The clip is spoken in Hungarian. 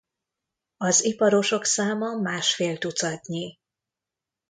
Az iparosok száma másfél tucatnyi.